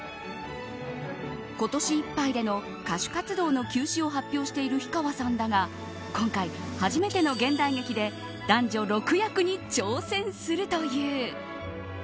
今年いっぱいでの歌手活動の休止を発表している氷川さんだが今回、初めての現代劇で男女６役に挑戦するという。